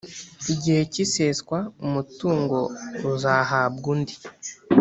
Igihe cy iseswa umutungo uzahabwa undi